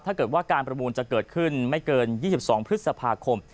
ถ้าเกิดว่าการประมูลจะเกิดขึ้นไม่เกิน๒๒พฤษภาคม